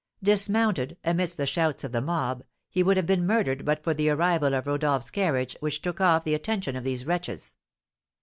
Dismounted, amidst the shouts of the mob, he would have been murdered but for the arrival of Rodolph's carriage, which took off the attention of these wretches.